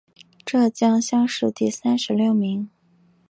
浙江乡试第三十六名。